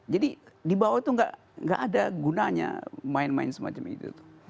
jadi dibawah itu gak ada gunanya main main semacam itu